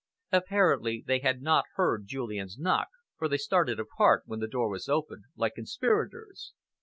Apparently they had not heard Julian's knock, for they started apart, when the door was opened, like conspirators.